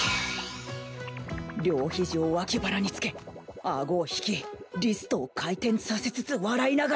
両肘を脇腹につけあごを引きリストを回転させつつ笑いながら